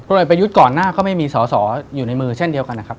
เอกประยุทธ์ก่อนหน้าก็ไม่มีสอสออยู่ในมือเช่นเดียวกันนะครับ